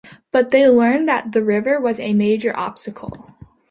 But they learned that the river was a major obstacle.